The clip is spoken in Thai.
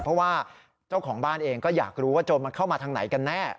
เพราะว่าเจ้าของบ้านเองก็อยากรู้ว่าโจรมันเข้ามาทางไหนกันแน่